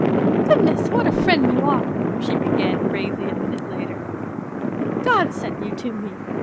" Ciuodncss, what a friend you are !" she began gravely a minute later. " God sent you to me.